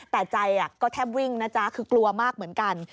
แต่ใจก็แทบวิ่งนะจ๊ะคือกลัวมากเหมือนกัน